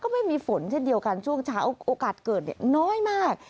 ไม่มีฝนเช่นเดียวกันช่วงเช้าโอกาสเกิดน้อยมาก